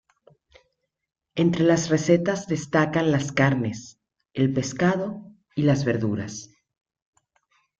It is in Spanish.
Entre las recetas destacan las carnes, el pescado y las verduras.